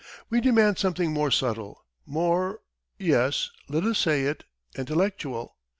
We demand something more subtle, more yes, let us say it! intellectual.